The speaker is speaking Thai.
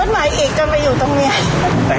ใช่ใช่